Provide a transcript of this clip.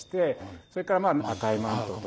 それからまあ赤いマントと。